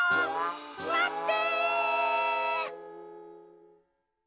まって！